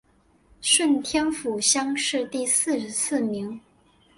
顺天府乡试第四十四名。